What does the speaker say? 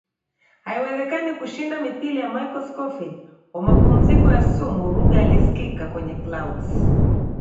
haiwezekani kushinda Mithili ya Michael Scofied wa mapumziko ya sumu Ruge alisikika kwenye Clouds